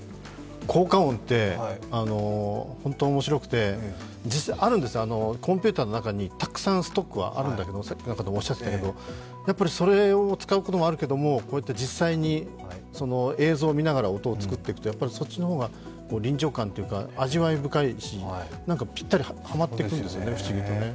効果音って、ホントおもしろくて、実際あるんです、コンピュ−ターの中にたくさんストックてあるんだけど、さっきの方もおっしゃってたけどそれを使うこともあるけれども、実際に映像を見ながら音を作っていくと、そっちの方が臨場感というか、味わい深いシーン、何かピッタリ、ハマッてくんですよね、不思議とね。